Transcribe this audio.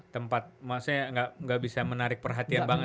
tempat maksudnya nggak bisa menarik perhatian banget